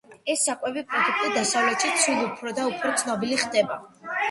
ეს საკვები პროდუქტი დასავლეთშიც სულ უფრო და უფრო ცნობადი ხდება.